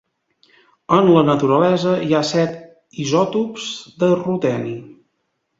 En la naturalesa hi ha set isòtops de ruteni.